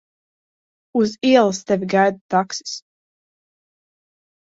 Uz ielas tevi gaida taksis.